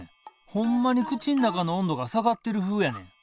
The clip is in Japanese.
ほんまに口ん中の温度が下がってるふうやねん。